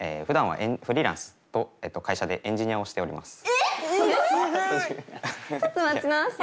ふだんはフリーランスと会社でエンジニアをしております。